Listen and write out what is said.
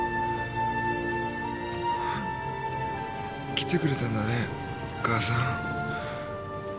来てくれたんだね母さん。